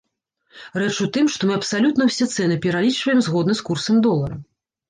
Рэч у тым, што мы абсалютна ўсе цэны пералічваем згодна з курсам долара.